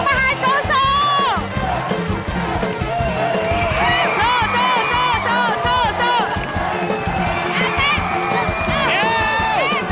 อ้าวมาประหารสู้